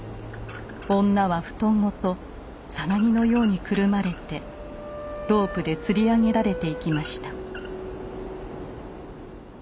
女は布団ごとサナギのようにくるまれてロープでつり上げられていきました。